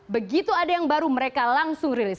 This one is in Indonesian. begitu ada yang baru mereka langsung rilis